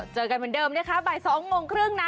เจอกันเหมือนเดิมนะคะบ่าย๒โมงครึ่งนะ